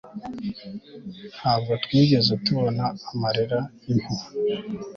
ntabwo twigeze tubona amarira y'impuhwe